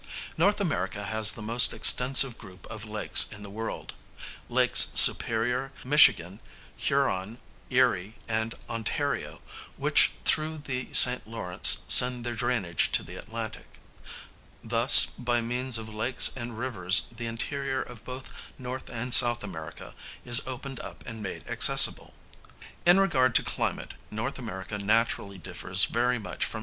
North America has the most extensive group of lakes in the world Lakes Superior, Michigan, Huron, Erie, and Ontario, which through the St. Lawrence send their drainage to the Atlantic. Thus by means of lakes and rivers the interior of both N. and S. America is opened up and made accessible. In regard to climate N. America naturally differs very much from S.